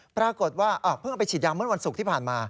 ปรากฏว่าเพิ่งไปฉีดยาเมื่อวันศุกร์ที่ผ่านมา